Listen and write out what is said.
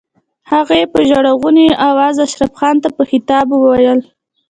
هغې په ژړغوني آواز اشرف خان ته په خطاب وويل.